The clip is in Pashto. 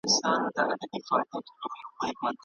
د خدای اراده د ټولو ارادو پورته ده.